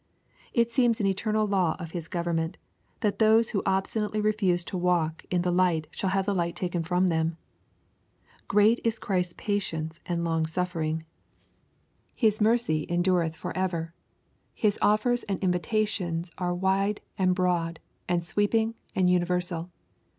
It seems an eternal law of His government, that those who obstinately refuse to walk in the light shall have the light taken from them. Great is Christ's patience and long suffering I His mercy endureth for LUKE, CHAP. vni. 275 ever. His offers and invitations are wile^ and broad, and sweeping, and universal.